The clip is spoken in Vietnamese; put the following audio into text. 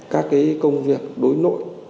các cái công việc đối nội